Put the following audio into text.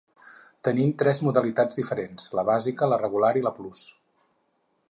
Tenim tres modalitats diferents: la bàsica, la regular i la plus.